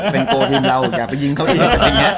เป็นตัวทีมเราอย่าไปยิงเขาอีก